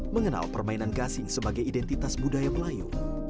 mengenal permainan gasing sebagai identitas budaya melayu